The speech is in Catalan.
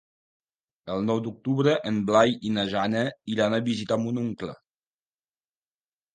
El nou d'octubre en Blai i na Jana iran a visitar mon oncle.